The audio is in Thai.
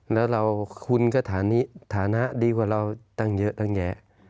แล้วคุณก็ฐานะฐานะดีกว่าเราตั้งเยอะตั้งแยะ